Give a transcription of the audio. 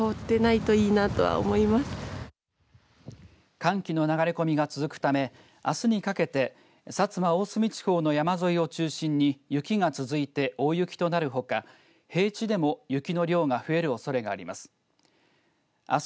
寒気の流れ込みが続くためあすにかけて薩摩、大隅地方の山沿いを中心に雪が続いて大雪となるほか平地でも雪の量が増えるおそれがあります。